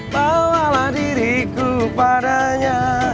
malah diriku padanya